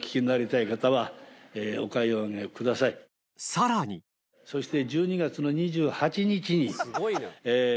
さらにそして。